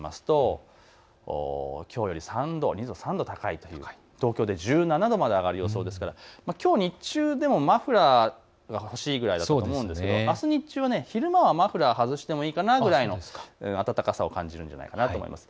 これが１５度以上のエリアなので各都市、出してみますときょうより２度、３度高い、東京で１７度まで上がる予想ですからきょう日中でもマフラーが欲しいくらいだったと思うんですがあす日中は昼間はマフラー、外してもいいかなぐらいの暖かさを感じるんじゃないかと思います。